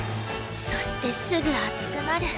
そしてすぐ熱くなる